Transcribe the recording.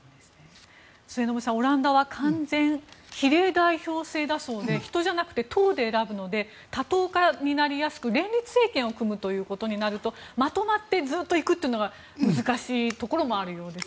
末延さん、オランダは完全比例代表制だそうで人じゃなくて党で選ぶので多党化になりやすく連立政権を組むことになるとまとまってずっと行くのが難しいところもあるようです。